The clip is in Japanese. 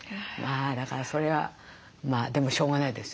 だからそれはまあでもしょうがないですよね。